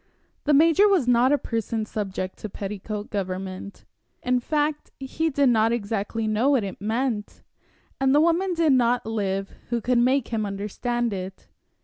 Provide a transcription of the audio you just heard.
The major was not a person subject to petticoat government. In fact, he did not exactly know what it meant, and the woman did not live who could make him understand it.